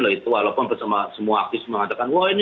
loh itu walaupun semua aktif semua mengatakan wah ini ngga bisa berhenti